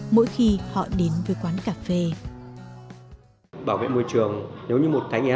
mỗi khi họ đến với quán cà phê